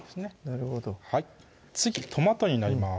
なるほど次トマトになります